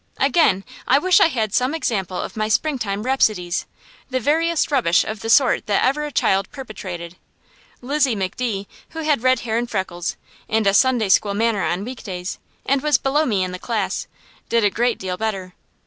Again I wish I had some example of my springtime rhapsodies, the veriest rubbish of the sort that ever a child perpetrated. Lizzie McDee, who had red hair and freckles, and a Sunday school manner on weekdays, and was below me in the class, did a great deal better.